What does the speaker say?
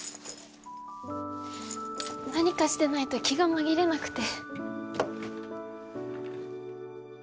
何かしてないと気が紛れなくて。